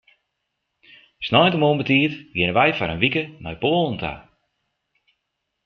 Sneintemoarn betiid geane wy foar in wike nei Poalen ta.